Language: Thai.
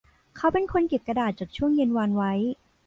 เขาเป็นคนเก็บกระดาษจากช่วงเย็นวานไว้